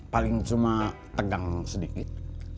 paling cuma tegang sedikit